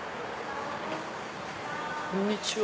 こんにちは。